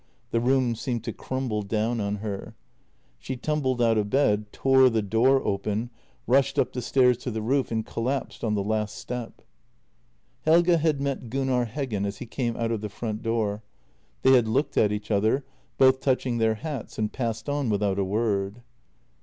The room seemed to crumble down on her. She tumbled out of bed, tore the door open, rushed up the stairs to the roof, and collapsed on the last step. Helge had met Gunnar Heggen as he came out of the front door. They had looked at each other, both touching their hats, and passed on without a word.